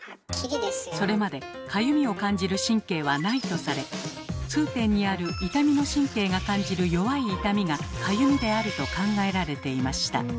それまでかゆみを感じる神経はないとされ痛点にある痛みの神経が感じる弱い痛みが「かゆみ」であると考えられていました。